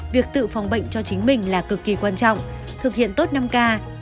việc tự phòng bệnh cho chính mình là cực kỳ quan trọng thực hiện tốt năm k